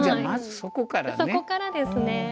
そこからですね。